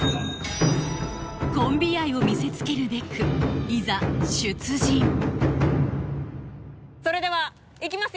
コンビ愛を見せつけるべくいざ出陣それではいきますよ？